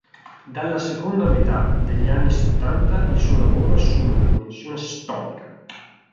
Dalla seconda metà degli anni settanta il suo lavoro assume una dimensione storica.